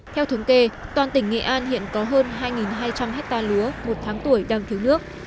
theo thống kê toàn tỉnh nghệ an hiện có hơn hai hai trăm linh hectare lúa một tháng tuổi đang thiếu nước